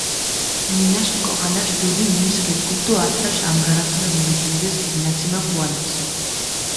ნინაშ ეკოღალაშ დუდი მის გედგუდჷ დო ათაშ ანგარაფილო მიოჯინედეს გინაციმა ქუალეფს.